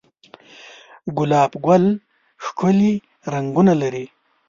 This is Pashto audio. گلاب گل ښکلي رنگونه لري